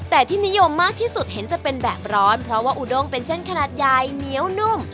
แต่ที่นิยมมากที่สุดเห็นจะเป็นแบบร้อนเพราะว่าอุดงเป็นเส้นขนาดใหญ่เหนียวนุ่ม